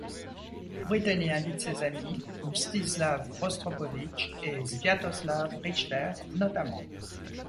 Britten y invite ses amis, Mstislav Rostropovitch et Sviatoslav Richter notamment.